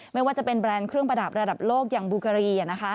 ไม่ว่าจะเป็นแบรนด์เครื่องประดับระดับโลกอย่างบูการี